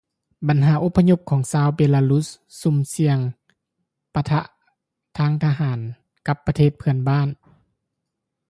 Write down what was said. ບັນຫາອົບພະຍົບຂອງຊາວເບລາຣຸສສ່ຽງປະທະທາງທະຫານກັບປະເທດເພື່ອນບ້ານ